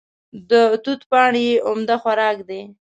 د توت پاڼې یې عمده خوراک دی.